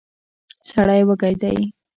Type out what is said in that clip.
سړی وږی دی.